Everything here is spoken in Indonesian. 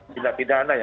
bidak pidana ya